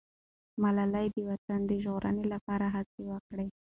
ملالۍ د وطن د ژغورنې لپاره هڅه وکړه.